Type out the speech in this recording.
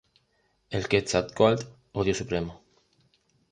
El Quetzalcóatl o Dios supremo.